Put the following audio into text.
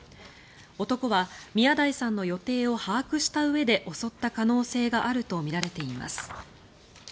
男は宮台さんの予定を把握したうえで襲った可能性があるとみられています。